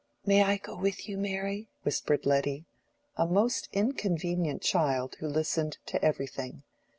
"May I go with you, Mary?" whispered Letty—a most inconvenient child, who listened to everything.